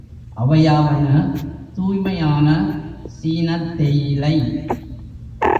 அவையாவன தூய்மையான சீனத் தேயிலை.